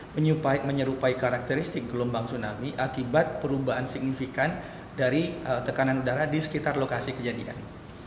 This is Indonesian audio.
menyerupai karakteristik gelombang tsunami akibat perubahan signifikan dari tekanan udara di sekitar lokasi kejadian